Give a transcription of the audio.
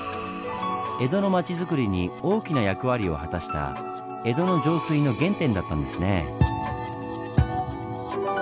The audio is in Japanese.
江戸の町づくりに大きな役割を果たした江戸の上水の原点だったんですねぇ。